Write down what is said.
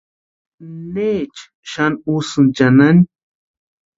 ¿Necha xani úsïni chanani?